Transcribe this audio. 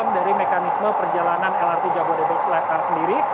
dari mekanisme perjalanan lrt jabodetabek sendiri